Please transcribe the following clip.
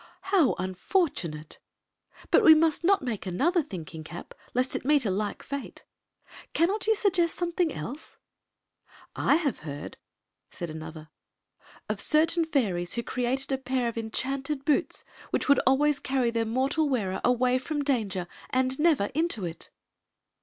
"How unfortunate! But we must not make another thinking cap, lest it meet a like fate. Can not you suggest something, else ?"" I have heard," said another, " of certain fairies who created a pair of enchanted boots, which would always carry their mortal wearer away from dangler — and never into it."